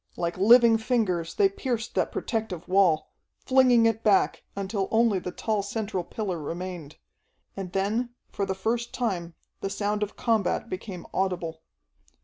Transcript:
Like living fingers they pierced that protective wall, flinging it back, until only the tall central pillar remained. And then for the first time the sound of combat became audible.